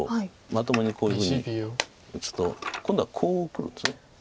まともにこういうふうに打つと今度はこうくるんです。